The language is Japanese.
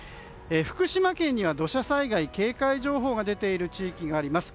福島県には土砂災害警戒情報が出ている地域があります。